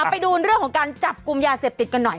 ไปดูเรื่องของการจับกลุ่มยาเสพติดกันหน่อย